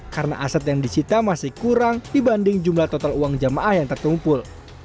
karena aset yang disita masih kurang dibanding jumlah total uang jamaah yang tertumpul